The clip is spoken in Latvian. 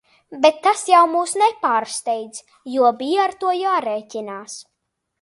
Bet tas jau mūs nepārsteidz, jo bija ar to jārēķinās.